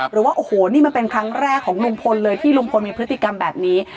หรือว่าโอ้โหนี่มันเป็นครั้งแรกของลุงพลเลยที่ลุงพลมีพฤติกรรมแบบนี้